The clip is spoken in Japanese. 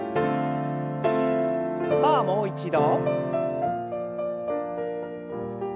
さあもう一度。